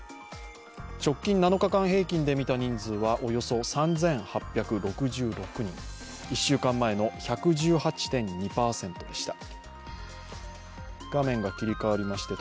直近７日間平均で見た人数はおよそ３８６６人１週間前の１１８．２％でした。